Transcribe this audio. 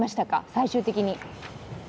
最終的に。